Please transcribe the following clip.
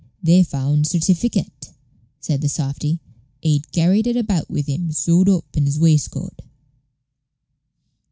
"They found th' certificate," said the softy. "He'd carried it about with him sewed up in's waistco at."